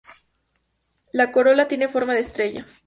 La corola tiene forma de estrella.